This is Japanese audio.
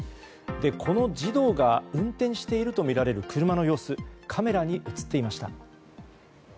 この児童が運転しているとみられる車の様子カメラに映っていました。